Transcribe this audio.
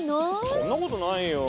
そんなことないよ。